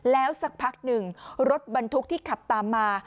แล้วสักพักหนึ่งรถบรรทุกที่ขับตามมา